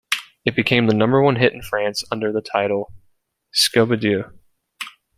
It became the number one hit in France under the title Scoubidou.